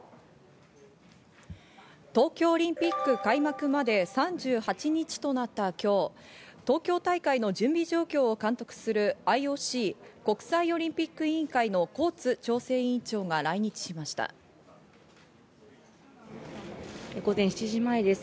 東京オリンピック開幕まで３８日となった今日、東京大会の準備状況を監督するＩＯＣ＝国際オリンピック委員会の午前７時前です。